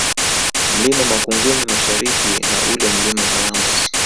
Mlima Makungwini Mashariki na ule Mlima Malambo